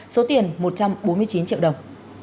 số tiền một trăm bốn mươi chín triệu đồng